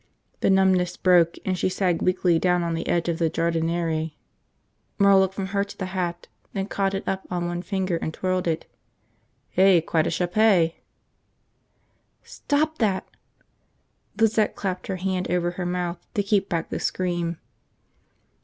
The numbness broke and she sagged weakly down on the edge of the jardiniere. Merle looked from her to the hat, then caught it up on one finger and twirled it. "Hey, quite a chapeau." "Stop that!" Lizette clapped her hand over her mouth to keep back the scream.